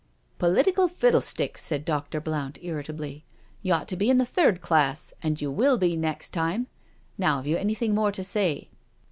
"Political fiddlesticks/' said Dr. Blount irritably. " You ought to be in the third class, and you will be next time. Now, have you anything more to say?"